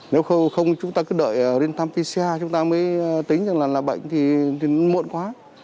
nếu không chúng ta cứ đợi đến thăm pca chúng ta mới tính rằng là bệnh thì muộn quá